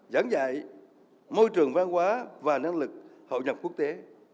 giảng dạy môi trường văn hóa và năng lực hậu nhập quốc tế